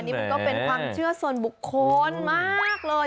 นี่มันก็เป็นความเชื่อส่วนบุคคลมากเลย